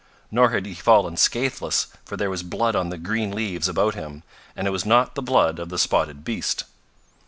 Nor had he fallen scatheless, for there was blood on the green leaves about him, and it was not the blood of the spotted beast.